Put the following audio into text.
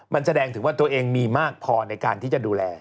มันแสดงถึงว่าตัวเองมีมากพอในการที่จะดูแล